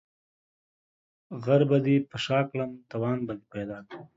غر به دي په شاکړم ، توان به دي پيدا کړم.